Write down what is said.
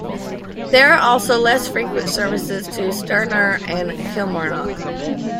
There are also less frequent services to Stranraer, and Kilmarnock.